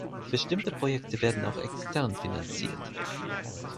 Bestimmte Projekte werden auch extern finanziert.